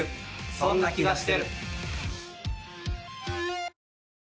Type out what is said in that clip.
そんな気がしてる。